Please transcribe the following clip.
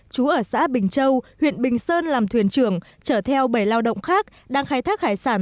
chú ở xã bình châu huyện bình sơn làm thuyền trưởng chở theo bảy lao động khác đang khai thác hải sản